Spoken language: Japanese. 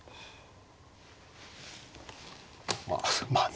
まあまあね。